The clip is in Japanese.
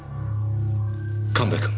神戸君。